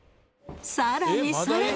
さらにさらに。